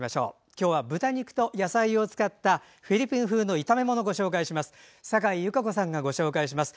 今日は豚肉と野菜を使ったフィリピン風の炒め物をサカイ優佳子さんがご紹介します。